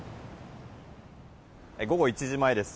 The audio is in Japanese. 午後１時前です。